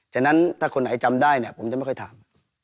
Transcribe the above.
ฉะนั้นถ้าคนไหนจำได้เนี่ยผมจะไม่ค่อยถาม